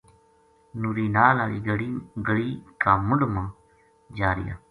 نوری ناڑ ہالی گلی کا مُنڈھ ما جا رہیا